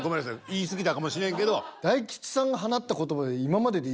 言い過ぎたかもしれんけど。